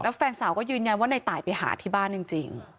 แฟนสาวก็ยืนยันว่าในตายไปหาที่บ้านจริง